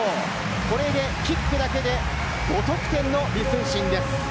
これでキックだけで５得点の李承信です。